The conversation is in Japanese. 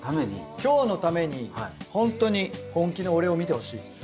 今日のためにホントに本気の俺を見てほしい。